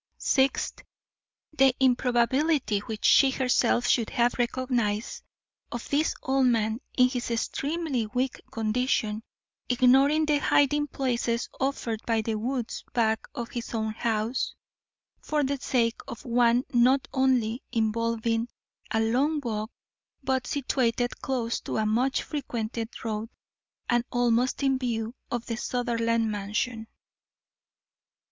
Sixth The improbability, which she herself should have recognised, of this old man, in his extremely weak condition, ignoring the hiding places offered by the woods back of his own house, for the sake of one not only involving a long walk, but situated close to a much frequented road, and almost in view of the Sutherland mansion.